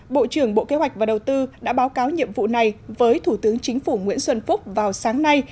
bộ trưởng bộ kế hoạch và đầu tư đã báo cáo nhiệm vụ này với thủ tướng chính phủ nguyễn xuân phúc vào sáng nay